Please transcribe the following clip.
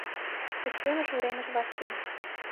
Пычкемыш уремыш вашкен.